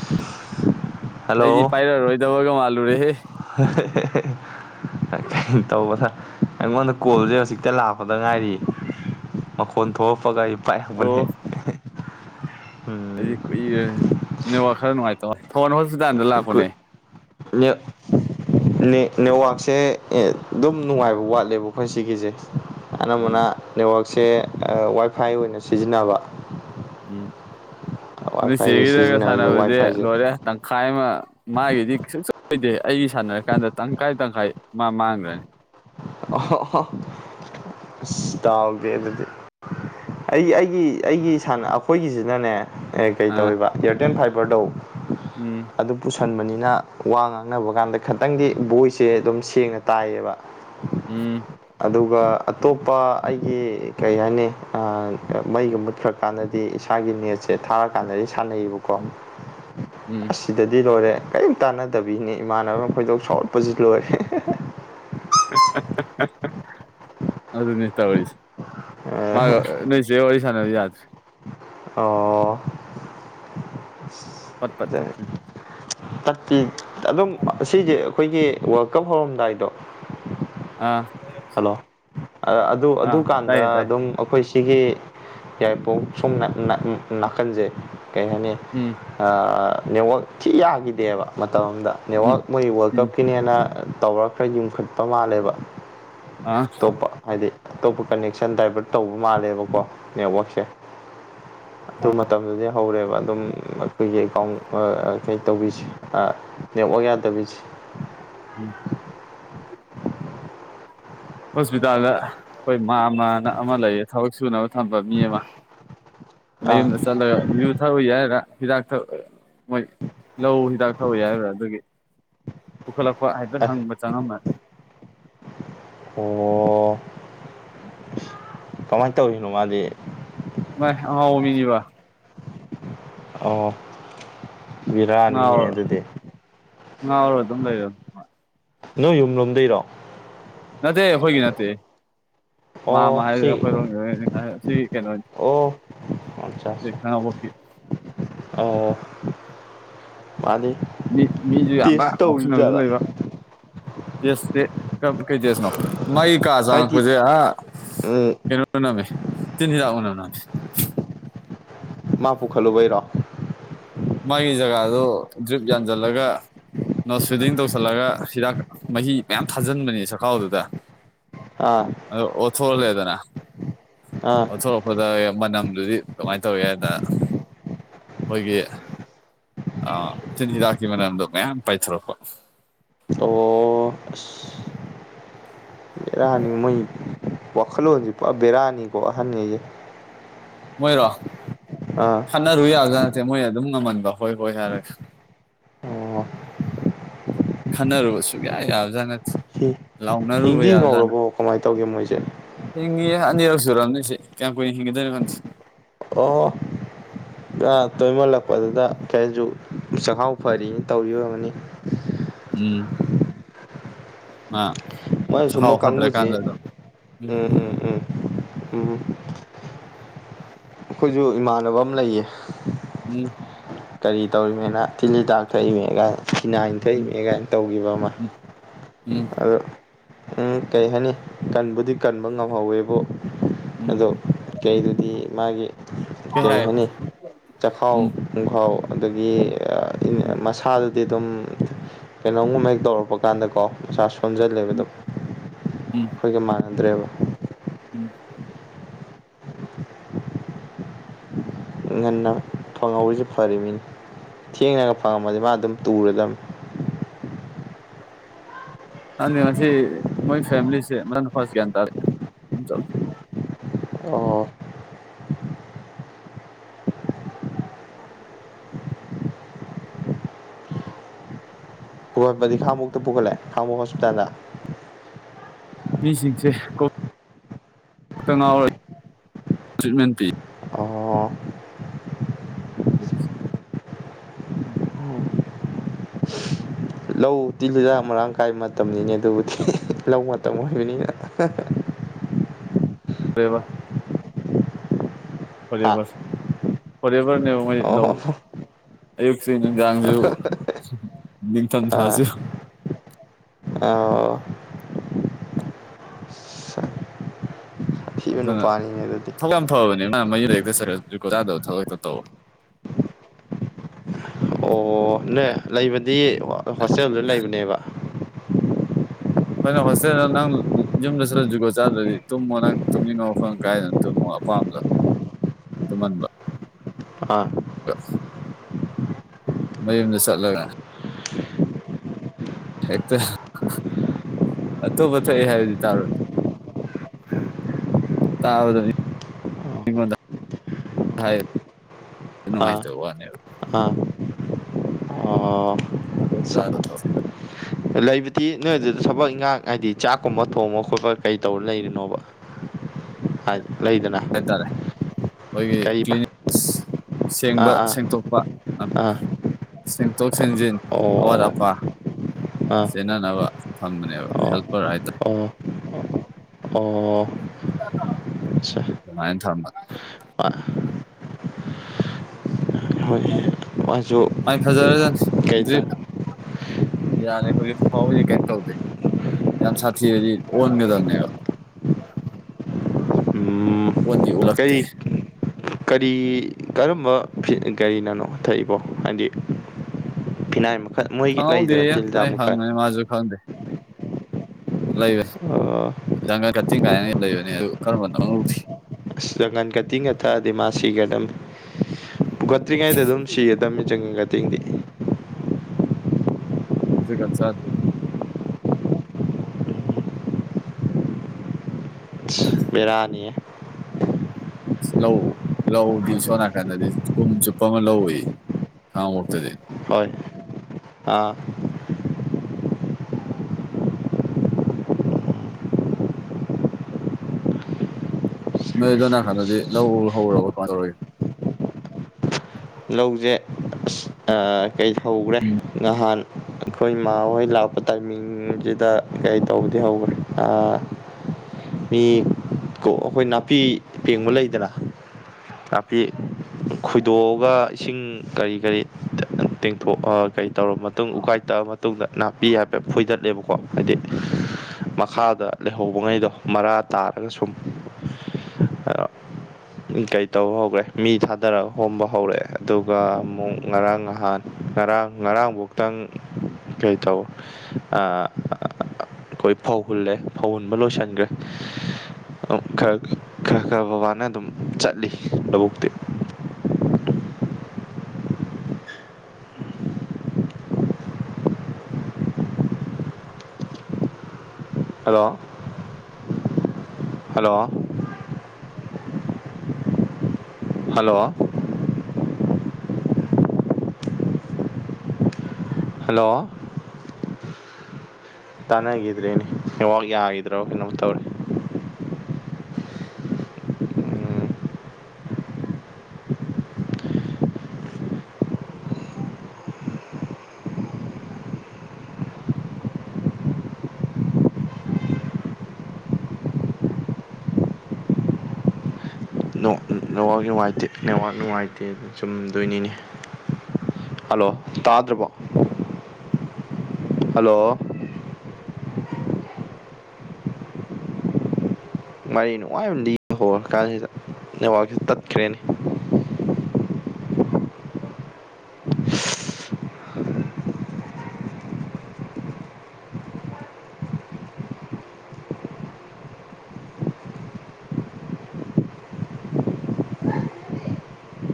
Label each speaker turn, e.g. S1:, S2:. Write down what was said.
S1: [inaudible]
S2: ꯑꯩꯗꯤ ꯄꯥꯏꯔꯔꯣꯏꯗꯕꯒ ꯃꯥꯜꯂꯨꯔꯦꯍꯦ
S1: [inaudible] ꯀꯩꯅ ꯇꯧꯕꯗ ꯑꯩꯉꯣꯟꯗ ꯀꯣꯜꯁꯦ ꯍꯧꯖꯤꯛꯇ ꯂꯥꯛꯄꯗ ꯉꯥꯏꯔꯤꯌꯦ ꯃꯈꯣꯟ ꯊꯣꯛꯑꯛꯄꯒ ꯑꯩ ꯄꯥꯏ
S2: ꯑꯣ
S1: ꯍꯥꯏꯕꯅꯦꯍꯦꯛ
S2: ꯑꯩꯗꯤ ꯀꯨꯏꯔ ꯅꯦꯋꯥ ꯈꯔ ꯅꯨꯡꯉꯥꯏꯇꯧ ꯊꯜ ꯍꯣꯁꯄꯤꯇꯥꯜꯗ ꯂꯥꯛꯄꯅꯦ
S1: ꯂꯩ ꯅꯦꯠꯋꯥꯛꯁꯦ ꯑꯗꯨꯝ ꯅꯨꯡꯉꯥꯏꯕ ꯋꯥꯠꯂꯦꯕ ꯑꯩꯈꯣꯏ ꯁꯤꯒꯤꯁꯦ ꯑꯅꯝꯕꯅ
S2: ꯎꯝ
S1: ꯅꯦꯠꯋꯛꯁꯦ ꯋꯥꯏ ꯐꯥꯏ ꯑꯣꯏꯅ ꯁꯤꯖꯤꯟꯅꯕ
S2: ꯎꯝ
S1: ꯋꯥꯏ ꯐꯥꯏꯁꯦ
S2: ꯅꯨꯡꯁꯤꯒꯤꯗꯒ
S1: ꯁꯤꯖꯤꯟꯅꯔꯁꯦ ꯋꯥꯏ
S2: ꯁꯥꯟꯅꯕꯁꯦ
S1: ꯐꯥꯏꯁꯦ
S2: ꯂꯣꯏꯔꯦ ꯇꯪꯈꯥꯏ ꯑꯃ ꯃꯥꯒꯤꯗꯤ ꯀꯩꯁꯨ ꯆꯂꯣꯏꯗꯦ ꯑꯩꯒꯤ ꯁꯥꯟꯅꯔꯀꯥꯟꯗ ꯇꯪꯈꯥꯏ ꯇꯪꯈꯥꯏ ꯃꯥ ꯃꯥꯡꯗ꯭ꯔꯅꯤ
S1: ꯑ ꯇꯒꯦ ꯑꯗꯨꯗꯤ ꯑꯩ ꯑꯩꯒꯤ ꯑꯩꯒꯤ ꯑꯩꯈꯣꯏꯒꯤꯁꯤꯅꯅꯦ ꯑꯦ ꯀꯩ
S2: ꯑꯥ
S1: ꯇꯧꯏꯕ ꯏꯌꯥꯔꯇꯦꯜ ꯐꯥꯏꯕꯔꯗꯧ
S2: ꯎꯝ
S1: ꯑꯗꯨ ꯄꯨꯁꯟꯕꯅꯤꯅ ꯋꯥ ꯉꯥꯡꯅꯕ ꯀꯥꯟꯗ ꯈꯤꯇꯪꯗꯤ ꯕꯣꯏꯁꯁꯦ ꯑꯗꯨꯝ ꯁꯦꯡꯅ ꯇꯥꯏꯌꯦꯕ
S2: ꯎꯝ
S1: ꯑꯗꯨꯒ ꯑꯇꯣꯞꯄ ꯑꯩꯒꯤ ꯀꯩ ꯍꯥꯏꯅꯤ ꯃꯩꯒꯨꯝꯕ ꯊ꯭ꯔꯛ ꯀꯥꯟꯗꯗꯤ ꯏꯁꯥꯒꯤ ꯅꯦꯠꯁꯦ ꯊꯥꯔ ꯀꯥꯟꯗꯗꯤ ꯁꯥꯟꯅꯩꯔꯤꯕ
S2: ꯎꯝ ꯎꯝ
S1: ꯁꯤꯗꯗꯤ ꯂꯣꯏꯔꯦ ꯀꯔꯤꯝ ꯇꯥꯟꯅꯗꯕꯤꯅꯤ ꯏꯃꯥꯟꯅꯕ ꯈꯣꯏꯗꯣꯛ ꯁꯥꯎꯔꯠꯄꯁꯤ ꯂꯣꯏꯔꯦ
S2: ꯑꯗꯨ ꯑꯗꯨ ꯅꯅꯤꯁ ꯑꯣꯏꯁ ꯃꯥ ꯦ ꯑꯣꯏꯁꯅꯦ ꯌꯥꯗ
S1: ꯑ
S2: ꯄꯠ ꯄꯠ ꯇꯠꯈ꯭ꯔꯦ
S1: ꯑꯗꯨꯝ ꯁꯤꯁꯦ ꯑꯩꯈꯣꯏꯒꯤ ꯀꯞ ꯍꯧꯔꯝꯗꯥꯏꯗꯣ
S2: ꯑꯥ
S1: ꯍꯜꯂꯣ ꯑꯗꯨ
S2: ꯑꯥ
S1: ꯑꯗꯨꯀꯥꯟꯗ
S2: ꯇꯥꯏꯌꯦ ꯇꯥꯏꯌꯦ
S1: ꯑꯗꯨꯝ ꯑꯩꯈꯣꯏ ꯁꯤꯒꯤ ꯌꯥꯏꯔꯤꯄꯣꯛ ꯁꯨꯝ ꯅꯥꯀꯟꯁꯦ ꯀꯩ ꯍꯥꯏꯅꯤ
S2: ꯎꯝ
S1: ꯅꯦꯠꯋꯥꯛ ꯊꯤ ꯌꯥꯈꯤꯗꯦꯕ ꯃꯇꯝ ꯑꯃꯗ
S2: ꯎꯝ
S1: ꯅꯦꯠꯋꯥꯛ ꯃꯣꯏ ꯋꯥꯔꯜ
S2: ꯎꯝ
S1: ꯀꯞꯀꯤꯅꯦꯅ ꯇꯧꯔꯒ ꯈꯔ ꯌꯨꯝꯈꯠꯄ ꯃꯥꯜꯂꯦꯕ
S2: ꯑꯥ
S1: ꯑꯇꯣꯞꯄ ꯍꯥꯏꯗꯤ ꯑꯇꯣꯞꯄ ꯀꯅꯦꯛꯁꯟ ꯗꯥꯏꯚꯔꯠ ꯇꯧꯕ ꯃꯥꯜꯂꯦꯕꯀꯣ ꯅꯦꯠꯋꯛꯁꯦ ꯑꯗꯨ
S2: ꯑꯥ
S1: ꯃꯇꯝꯗꯨꯗꯤ ꯍꯧꯔꯦꯕ ꯑꯗꯨꯝ ꯑꯩꯈꯣꯏꯒꯤ ꯑꯦꯀꯥꯎꯟ ꯀꯩ ꯇꯧꯕꯤꯁꯦ ꯅꯦꯋꯥꯛ ꯌꯥꯗꯕꯤꯁꯦ
S2: ꯎꯝ ꯍꯣꯁꯄꯤꯇꯥꯜꯗ ꯑꯩꯈꯣꯏ ꯃꯥꯝꯃꯥꯅ ꯑꯃ ꯂꯩꯌꯦ ꯊꯕꯛ ꯁꯨꯅꯕ ꯊꯝꯕ ꯃꯤ ꯑꯃ
S1: ꯑꯥ
S2: ꯃꯌꯨꯝꯗ ꯆꯠꯂꯒ ꯌꯨ ꯊꯛꯏ ꯌꯥꯏꯔꯒ ꯍꯤꯗꯥꯛ ꯊꯛ ꯃꯣꯏ ꯂꯧ ꯍꯤꯗꯥꯛ ꯊꯛ ꯎꯏ ꯍꯥꯏꯕ꯭ꯔꯥ ꯑꯗꯨꯒꯤ ꯄꯨꯈꯠꯂꯛꯄ ꯍꯥꯏꯐꯦꯠ ꯍꯪꯕ ꯆꯪꯉꯝꯕ
S1: [unintelligible] ꯑꯣ ꯀꯃꯥꯏ ꯇꯧꯔꯤꯅꯣ ꯃꯥꯗꯤ
S2: ꯚꯥꯏ ꯑꯉꯥꯎꯕ ꯃꯤꯅꯤꯕ
S1: ꯑꯣ ꯕ‌ꯦꯔꯅꯤꯍꯦ
S2: ꯉꯥꯎꯔ
S1: ꯑꯗꯨꯗꯤ
S2: ꯉꯥꯎꯔ ꯑꯗꯨꯝ ꯂꯩꯔꯝ
S1: ꯅꯣꯏ ꯌꯨꯝ ꯂꯣꯝꯗꯩꯔꯣ
S2: ꯅꯠꯇꯦ ꯑꯩꯈꯣꯏꯒꯤ ꯅꯠꯇꯦꯍ‌ꯦ ꯃꯥꯝꯃꯥ
S1: ꯑꯣ
S2: ꯍꯥꯏꯔ
S1: ꯁꯤ
S2: ꯑꯩꯈꯣꯏꯔꯣꯝꯒꯤ ꯍꯥꯏ ꯁꯤ ꯀꯩꯅꯣ
S1: ꯑꯣ
S2: ꯈꯥꯡꯉꯕ‌ꯣꯛꯀꯤ
S1: ꯑꯣ ꯃꯥꯅꯤ
S2: ꯃꯤ ꯃꯤꯁꯨ ꯌꯥꯝꯕ꯭ꯔꯥ ꯉꯥꯎꯁꯤꯟꯅꯕꯁꯨ ꯂꯩꯕ ꯇꯦꯁꯇꯤ ꯀꯥꯔꯝ ꯀꯩ ꯇꯦꯁꯅꯣ ꯃꯥꯏ ꯀꯥ
S1: ꯍꯥꯏꯗꯤ
S2: ꯆꯪꯉꯛꯄꯁꯦ ꯑ
S1: ꯎꯝ
S2: ꯀꯩꯅꯣ ꯃꯅꯝ ꯅꯝꯃꯦ ꯇꯤꯟ ꯍꯤꯗꯥꯛ ꯃꯅꯝ ꯅꯝꯃꯦ
S1: ꯃꯥ ꯄꯨꯈꯠꯂꯨꯕꯩꯔꯣ
S2: ꯃꯥꯒꯤ ꯖꯒꯥꯗꯨ ꯗ꯭ꯔꯤꯞ ꯌꯥꯟꯁꯤꯜꯂꯒ ꯅꯣꯁ ꯐꯤꯗꯤꯡ ꯇꯧꯁꯜꯂꯒ ꯍꯤꯗꯥꯛ ꯃꯍꯤ ꯃꯌꯥꯝ ꯊꯥꯖꯤꯟꯕꯅꯦ ꯆꯈꯥꯎꯗꯨꯗ
S1: ꯑꯥ
S2: ꯑꯗꯨ ꯑꯣꯊꯣꯛ ꯍꯜꯂꯦꯗꯅ
S1: ꯑꯥ
S2: ꯑꯣꯊꯣꯛ ꯄꯗ ꯃꯅꯝꯗꯨꯗꯤ ꯀꯃꯥꯏꯅ ꯇꯧꯏ ꯍꯥꯏꯗ ꯑꯩꯈꯣꯏꯒꯤ ꯑ ꯇꯤꯟ ꯍꯤꯗꯥꯛꯀꯤ ꯃꯅꯝꯗꯣ ꯃꯌꯥꯝ ꯄꯥꯏꯊꯣꯔꯛꯄ
S1: ꯑꯣ ꯑꯁ ꯕꯦꯔꯅꯤ ꯃꯣꯏ ꯋꯥꯈꯜ ꯂꯣꯟꯁꯦ ꯄꯨꯔꯥ ꯕꯦꯔꯥꯅꯤ ꯑꯍꯟ ꯒꯩꯁꯦ
S2: ꯃꯣꯏꯔꯣ
S1: ꯑꯥ
S2: ꯈꯠꯅꯔꯨ ꯌꯥꯕꯖꯥꯠ ꯅꯠꯇ‌ꯦ ꯃꯣꯏ ꯑꯗꯨꯝ ꯉꯝꯃꯟꯕ ꯍꯣꯏ ꯍꯣꯏ ꯍꯥꯏꯔꯒ
S1: ꯑꯣ [unintelligible]
S2: ꯈꯠꯅꯔꯨꯕ ꯁꯨꯡꯌꯥ ꯌꯥꯕꯖꯥꯠ ꯅꯠ
S1: ꯍꯤꯡꯗꯤ ꯍꯤꯡꯍꯧꯔꯕꯣ ꯀꯃꯥꯏꯅ ꯇꯧꯒꯦ ꯃꯣꯏꯁꯦ
S2: ꯍꯤꯡꯉꯤ ꯑꯅꯤꯔꯛ ꯁꯨꯔꯝꯅ‌ꯦ ꯁꯤ ꯀꯌꯥꯝ ꯀꯨꯏꯅ ꯍꯤꯡꯒꯗꯣꯏꯅꯣ ꯈꯪꯗꯦ
S1: ꯑꯣ ꯇꯣꯏꯃꯜꯂꯛꯄꯗꯨꯗ ꯀꯩꯁꯨ ꯆꯥꯛꯍꯥꯎ ꯐꯔꯤꯅꯤ ꯇꯧꯔꯤ ꯑꯣꯏꯔꯝꯅꯤ
S2: ꯎꯝ ꯃꯥ
S1: ꯃꯣꯏ
S2: ꯆꯈꯥꯎ
S1: ꯁꯨꯝꯕ ꯀꯥꯡꯕꯨꯁꯤ
S2: ꯐꯠꯇ꯭ꯔꯀꯥꯟꯗ ꯑꯗꯨꯝ
S1: ꯎꯝ ꯎꯝ ꯎꯝ ꯎꯝ ꯎꯝ ꯑꯩꯈꯣꯏꯁꯨ ꯏꯃꯥꯟꯅꯕ ꯑꯃ ꯂꯩꯌꯦ
S2: ꯎꯝ
S1: ꯀꯔꯤ ꯇꯧꯔꯤꯅꯤꯅ ꯇꯤꯜꯍꯤꯗꯥꯛ ꯊꯛꯏꯃꯤ ꯀꯥꯏꯅ ꯐ‌ꯦꯅꯥꯏꯜ
S2: ꯎꯝ ꯎꯝ
S1: ꯊꯛꯏꯅ‌ꯦ ꯀꯥꯏꯅ ꯇꯧꯈꯤꯕ ꯑꯃ
S2: ꯎꯝ
S1: ꯑꯣ ꯎꯝ ꯀꯩ ꯍꯥꯏꯅꯤ ꯀꯟꯕꯨꯗꯤ ꯀꯟꯕ ꯉꯝꯍꯧꯋꯦꯕ
S2: ꯎꯝ
S1: ꯑꯗꯣ [inaudible] [unintelligible] ꯃꯁꯥꯗꯨꯗꯤ
S2: ꯀꯩ ꯍꯥꯏ ꯎꯝ ꯎꯝ
S1: ꯑꯗꯨꯝ ꯀꯩꯅꯣꯝꯒꯨꯝ ꯍꯦꯛ ꯇꯧꯔꯛꯄ ꯀꯥꯟꯗꯀꯣ ꯃꯁꯥ ꯁꯣꯝꯖꯜꯂꯦꯕꯗꯣ
S2: ꯎꯝ
S1: ꯑꯩꯈꯣꯏꯒ ꯃꯥꯟꯅꯗ꯭ꯔꯦꯕ
S2: ꯎꯝ
S1: [unintelligible] ꯉꯟꯅ ꯐꯪꯍꯧꯔꯤꯁꯤ ꯐꯔꯤꯝꯅꯤꯅꯤ ꯊꯦꯡꯅꯒ ꯐꯪꯉꯝꯃꯗꯤ ꯃꯥ ꯑꯗꯨꯝ ꯇꯨꯔꯗꯝꯅ‌ꯦ
S2: ꯍꯥꯟꯅꯤ ꯉꯁꯤ ꯃꯣꯏ ꯐꯦꯃꯤꯂꯤꯁꯦ ꯃꯔꯅ ꯐꯥꯁ ꯒ꯭ꯌꯥꯟ ꯇꯥꯔꯦ
S1: ꯑꯣ ꯄꯨꯈꯠꯄꯗꯤ ꯈ‌ꯪꯉꯥꯕ‌ꯣꯛꯇ ꯄꯨꯈꯠꯂꯦ ꯈꯥꯉꯕ‌ꯣꯛ ꯍꯣꯁꯄꯤꯇꯥꯜꯗ
S2: ꯃꯤꯁꯤꯡꯁꯦ ꯀꯣ ꯈꯛꯇ ꯉꯥꯎꯔ ꯇ꯭ꯔꯤꯠꯃꯦꯟ ꯄꯤ
S1: ꯑꯣ
S2: ꯎꯝ
S1: ꯂꯧ ꯇꯤꯜꯜꯂꯤꯗꯥꯛ ꯃꯔꯥꯡ ꯀꯥꯏ ꯃꯇꯝꯅꯤꯅꯦ ꯑꯗꯨꯕꯨꯗꯤ ꯂꯧ ꯃꯇꯝ ꯑꯣꯏꯕꯅꯤꯅ
S2: ꯇꯕ
S1: ꯍꯥ
S2: ꯐꯦꯕꯁ ꯐꯔꯦꯕꯔꯅꯦ ꯂ
S1: ꯑꯣ
S2: ꯑꯌꯁꯤ ꯌꯥꯥꯡ ꯂꯩ ꯅꯤꯡꯊꯝꯊꯥꯁꯨ
S1: ꯑ ꯑꯊꯤꯕ
S2: ꯑꯗꯨꯅ
S1: ꯅꯨꯄꯥꯅꯤꯅꯦ ꯑꯗꯨꯗꯤ
S2: ꯊꯧ ꯌꯥꯝ ꯐꯕꯅꯤꯅ ꯅ ꯃꯌ ꯂꯩꯔꯤꯛꯇ ꯆ ꯀꯣ ꯆꯥꯗꯕ ꯊꯕꯛꯇ ꯇꯧꯋꯦ
S1: ꯑꯣ ꯅ ꯂꯩꯕꯗꯤ ꯍꯣꯁꯇꯦꯜꯗꯨ ꯂꯩꯕꯅꯦꯕ
S2: ꯍꯣꯏ ꯍꯣꯁꯇꯦꯜꯗ ꯅꯪ ꯌꯨꯝꯗ ꯆꯠꯂ ꯖꯨꯒꯣꯠ ꯆꯥꯗ꯭ꯔꯗꯤ ꯇꯨꯝꯃꯣ ꯅꯪ ꯇꯨꯝꯅꯤꯡꯉꯣ ꯃꯐꯝ ꯀꯥꯏꯗꯅ ꯇꯨꯝꯃꯣ ꯑꯄꯥꯝꯕꯗꯣ ꯇꯟꯕ
S1: ꯑꯥ
S2: ꯃꯌꯨꯝꯗ ꯆꯠꯂꯒꯅꯦ ꯍꯦꯛꯇ ꯑꯇꯣꯞꯄ ꯊꯣꯛ ꯍꯥꯏꯗꯤ ꯇꯥꯔꯣ ꯇꯗ ꯍꯥꯏ
S1: ꯑꯥ
S2: ꯅꯨꯡꯉꯥꯏꯇꯕ ꯋꯥꯅꯦꯕ
S1: ꯑꯥ ꯑꯣ
S2: ꯑꯗꯨ ꯆꯥꯣ ꯊ
S1: ꯂꯩꯕꯗꯤ ꯅꯣꯏ ꯑꯗꯨꯗ ꯊꯕꯛ ꯏꯪꯈꯥꯡ ꯍꯥꯏꯕꯗꯤ ꯆꯥꯛꯀꯨꯝꯕ ꯊꯣꯡꯕ ꯈꯣꯠꯄ ꯀꯩ ꯇꯧꯔ ꯂꯩꯔꯤꯅꯣꯕ ꯑ ꯂꯩꯗꯅ
S2: ꯍꯥꯏꯇꯥꯔꯦ ꯑꯩꯈꯣꯏꯒꯤ
S1: ꯀꯔꯤꯕ
S2: ꯀ꯭ꯂꯤꯅꯤꯛ
S1: ꯑꯥ
S2: ꯁꯦꯡꯕ
S1: ꯑꯥ
S2: ꯁꯦꯡꯗꯣꯛꯄ
S1: ꯑꯥ
S2: ꯁꯤꯟꯇꯣꯁꯤꯡꯟꯖꯤ
S1: ꯑꯣ
S2: ꯑꯋꯥꯗꯄꯥ
S1: ꯑꯥ
S2: ꯈꯅꯅꯕ ꯊꯝꯕꯅꯦꯕ
S1: ꯑꯣ
S2: ꯍꯦꯜꯄꯔ ꯍꯥꯏꯇꯥꯔꯦ
S1: ꯑꯣ ꯑꯣ ꯑꯆꯥ
S2: ꯃꯥꯏꯟ ꯊꯔꯃ
S1: ꯍꯣꯏ ꯁꯨ
S2: ꯃꯥꯥꯏ ꯐꯖꯔꯅꯤꯔꯤꯌꯥꯅꯤ ꯍꯧꯖꯤꯛ ꯐꯥꯎꯗꯤ ꯀꯩꯅ ꯇꯧꯗꯦ ꯌꯥꯝꯁꯤ ꯑꯣꯟꯃꯤꯦꯗ
S1: ꯎꯝ
S2: ꯑꯣꯟ ꯎꯂꯛꯇꯛꯇꯦ
S1: ꯀꯔꯤ ꯀꯔꯤ ꯀꯔꯝꯕ ꯀꯒꯥꯔꯤꯅꯅꯣ ꯊꯛꯏꯕꯣ ꯍꯥꯏꯗꯤ ꯐꯤꯅꯥꯏ ꯃꯈꯜ ꯃꯣꯏꯒꯤ ꯂꯩꯗꯅ ꯇꯤꯜꯖꯥ ꯃꯈꯜ
S2: ꯃꯥ ꯈꯥꯎꯗꯦ ꯂꯩꯕꯦ ꯂꯪꯒ ꯀꯇꯤꯡ ꯀꯥꯏꯅꯩ ꯂꯩꯕꯅꯦ ꯑꯗꯨ ꯀꯔꯝꯕꯅꯣꯤ
S1: ꯑꯁ ꯪꯒꯟ ꯀ ꯇꯤꯡꯒ ꯊꯛꯑꯗꯤ ꯃꯥꯁꯤꯒ ꯑꯗꯨꯝ ꯄꯨꯈꯠꯇ꯭ꯔꯤꯉꯩꯗ ꯑꯗꯨꯝ ꯁꯤꯒ ꯇꯝꯃꯤ ꯆꯪꯒꯇꯦꯡꯗꯤ
S2: ꯖꯒꯠ ꯆꯗꯦ
S1: ꯔꯥꯅꯤ
S2: ꯂꯧ ꯂꯧꯗꯤ ꯁꯣꯝ ꯅꯥꯀꯟꯗꯗꯤ ꯀꯨꯝ ꯆꯨꯞꯄ ꯑꯃ ꯂꯧ ꯎꯏ ꯈꯥꯉꯕꯣꯛꯇꯗꯤ
S1: ꯍꯣꯏ ꯑꯥ
S2: ꯅꯣꯏꯗꯣꯅꯥꯀꯥꯟꯗꯗꯤ ꯂꯧ ꯍꯧꯔꯕ ꯀꯃ ꯇꯧꯔꯒꯦ
S1: ꯂꯧꯁꯦ ꯑꯁ ꯀꯩ ꯍꯧꯈ꯭ꯔꯦ ꯉꯍꯥꯟ ꯑꯩꯈꯣꯏ ꯏꯃꯥꯍꯣꯏ ꯂꯥꯛꯄ ꯇꯥꯏꯃꯤꯡꯁꯤꯗ ꯀꯩ ꯇꯧꯕꯗꯤ ꯍꯧꯈ꯭ꯔꯦ ꯃꯤ ꯀ ꯑꯩꯈꯣꯏ ꯅꯥꯄꯤ ꯄꯦꯡꯕ ꯂꯩꯗꯅ ꯅꯥꯄꯤ ꯈꯣꯏꯗꯣꯛ ꯑꯗꯨꯒ ꯏꯁꯤꯡ ꯀꯔꯤ ꯀꯔꯤ ꯇꯦꯡꯊꯣꯛꯑ ꯀꯔꯤ ꯇꯧꯔꯕ ꯃꯇꯨꯡ ꯎꯀꯥꯏ ꯇꯛꯑ ꯃꯇꯨꯡ ꯃꯇꯨꯡꯗ ꯅꯥꯞꯄꯤ ꯍꯥꯏꯕ ꯐꯣꯏꯗꯠꯂꯦꯕꯀꯣ ꯍꯥꯏꯗꯤ ꯃꯈꯥꯗ ꯂꯩꯍꯧꯕꯉꯩꯗꯣ ꯃꯔꯥ ꯇꯥꯔꯒ ꯁꯨꯝ ꯀꯩ ꯇꯧ ꯍꯧꯈ꯭ꯔꯦ ꯃꯤ ꯊꯥꯗꯔꯒ ꯍꯣꯕ ꯍꯧꯔꯛꯑꯦ ꯑꯗꯨꯒ ꯑꯃꯨꯛ ꯉꯔꯥꯡ ꯅꯍꯥꯟ ꯉꯔꯥꯡ ꯉꯔꯥꯡꯐꯧꯛꯇꯪ ꯀꯩ ꯇꯧ ꯑꯩꯈꯣꯏ ꯐꯧ ꯍꯨꯜꯂꯦ ꯐꯧ ꯍꯨꯟꯕ ꯂꯣꯏꯁꯤꯟꯈ꯭ꯔꯦ ꯈꯔ ꯈꯔ ꯈꯔ ꯕꯕꯥꯅ ꯑꯗꯨꯝ ꯆꯠꯂꯤ ꯂꯧꯕꯕꯨꯛꯇꯤ ꯍꯜꯂꯣ ꯍꯜꯂꯣ ꯍꯜꯂꯣ ꯍꯜꯂꯣ ꯇꯥꯟꯅꯈꯤꯗ꯭ꯔꯦꯅꯦ ꯑꯦꯕꯥꯛ ꯌꯥꯈꯤꯗ꯭ꯔꯣ ꯀꯩꯅꯣꯝ ꯇꯧꯔꯤꯦ ꯍ ꯅꯨꯡꯉꯥꯏꯇꯦ ꯅꯦꯋꯥꯥꯛ ꯅꯨꯡꯉꯥꯏꯇꯦ ꯑꯗꯨ ꯆꯨꯝꯗꯣꯏꯅꯤꯅꯦ ꯍꯜꯂꯣ ꯇꯥꯗ꯭ꯔꯕꯣ ꯍꯜꯂꯣ ꯃꯔꯤ ꯅꯨꯡꯉꯥꯏꯕ ꯑꯃ ꯂꯤ ꯍꯧꯔ ꯀꯥꯟꯁꯤꯗ ꯅꯦꯠꯋꯥꯛꯁꯤ ꯇꯠꯈ꯭ꯔꯦꯅꯤ